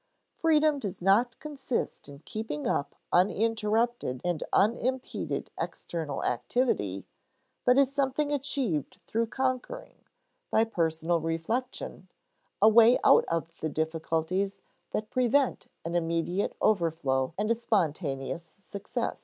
Freedom does not consist in keeping up uninterrupted and unimpeded external activity, but is something achieved through conquering, by personal reflection, a way out of the difficulties that prevent an immediate overflow and a spontaneous success.